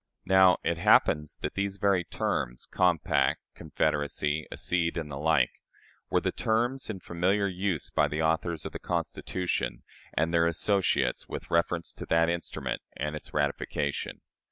Now, it happens that these very terms "compact," "confederacy," "accede," and the like were the terms in familiar use by the authors of the Constitution and their associates with reference to that instrument and its ratification.